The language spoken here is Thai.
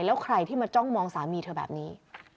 แล้วใครที่มาจ้องมองสามีเธอแบบนี้